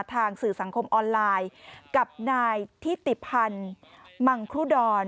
สื่อสังคมออนไลน์กับนายทิติพันธ์มังครุดร